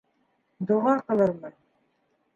Доға ҡылырмын.